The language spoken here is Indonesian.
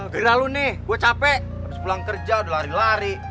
gerila lu nih gue capek habis pulang kerja udah lari lari